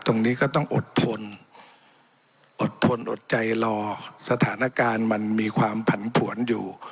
ตรงนี้ก็ต้องอดทนอดทนอดใจรอสถานการณ์มันมีความผันผวนอยู่